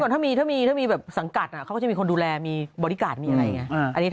ถ้ามีสังกัดเขาก็จะมีคนดูแลมีบอร์ดีการ์ดมีอะไรอย่างนี้